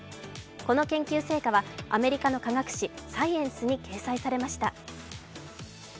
この研究成果はアメリカの科学誌「サイエンス」に掲載されました。